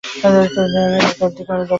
কিন্তু তখন ইকার্দি যথেষ্ট সুযোগ পাননি।